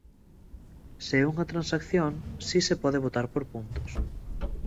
Se é unha transacción, si se pode votar por puntos.